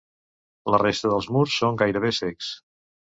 La resta dels murs són gairebé cecs.